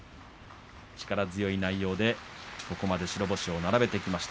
力強い内容でここまで白星を並べてきました。